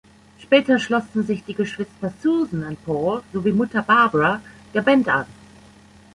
Später schlossen sich die Geschwister Susan und Paul sowie Mutter Barbara der Band an.